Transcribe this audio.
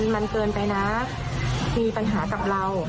มันเกินไปนะมีปัญหากับเรา